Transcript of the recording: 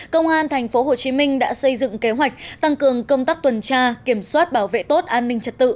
công an tp hcm đã xây dựng kế hoạch tăng cường công tác tuần tra kiểm soát bảo vệ tốt an ninh trật tự